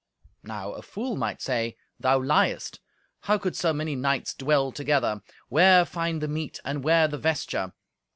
Now a fool might say, "Thou liest. How could so many knights dwell together? Where find the meat, and where the vesture?